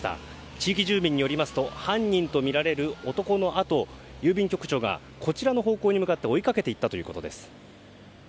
地域住民によりますと犯人とみられる男のあとを郵便局長がこちらの方向に向かって追いかけていったということです。